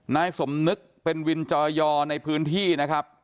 นายสมนึกเป็นวินจอยอในพื้นที่นะครับ